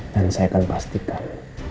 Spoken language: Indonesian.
dan saya akan pastikan